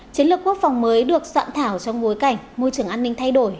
chiến lược quốc phòng mới được soạn thảo trong bối cảnh môi trường an ninh thay đổi